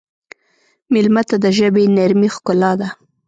مېلمه ته د ژبې نرمي ښکلا ده.